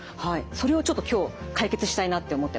それをちょっと今日解決したいなって思ってます。